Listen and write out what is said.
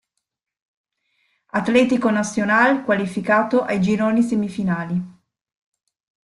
Atlético Nacional qualificato ai gironi semifinali.